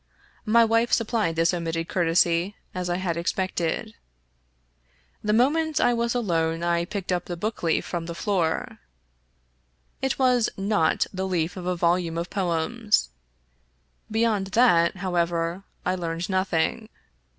My wife supplied this omitted courtesy, as I had expected. The moment I was alone I picked up the book leaf from the floor. It was not the leaf of a volume of poems. Be yond that, however, I learned nothing.